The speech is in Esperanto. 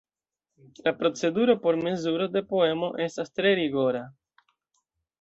La proceduro por mezuro de poemo estas tre rigora.